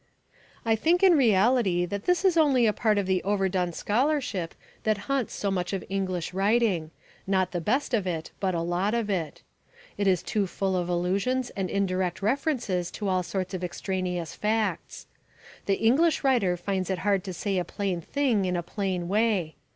I think in reality that this is only a part of the overdone scholarship that haunts so much of English writing not the best of it, but a lot of it. It is too full of allusions and indirect references to all sorts of extraneous facts. The English writer finds it hard to say a plain thing in a plain way.